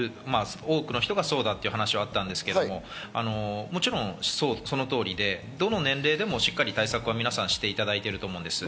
多くの人がそうだという話があったんですけど、もちろんその通りでどの年齢でもしっかり対策は皆さんしていただいていると思うんです。